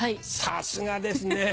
さすがですね。